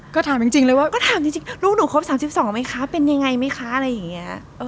ก็ถามจริงเลยว่าลูกหนูครบ๓๒ไหมคะเป็นยังไงไหมคะอะไรอย่างเงี้ย